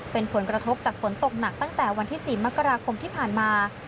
เป็นผลกระทบจากฝนตกหนักตั้งแต่วันที่๔มกราคมที่ผ่านมา